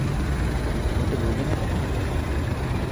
কোর্টে বলবেন একথা?